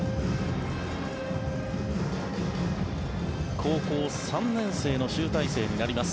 高校３年生の集大成になります。